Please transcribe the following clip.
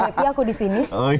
gak happy aku disini